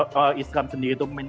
orangsadasini jarang ada karena ma stal